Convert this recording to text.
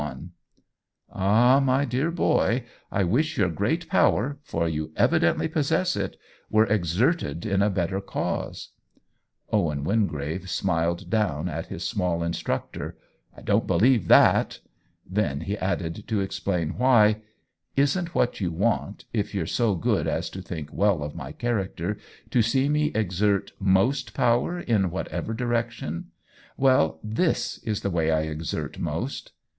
184 OWEN WINGRAVE "Ah, my dear boy, I wish your great power — for you evidently possess it — were exerted in a better cause !" Owen Wingrave smiled down at his small instructor. "I don't believe that!" Then he added, to explain why :" Isn't what you want, if you're so good as to think well of my character, to see me exert most power, in whatever direction? Well, this is the way I exert most."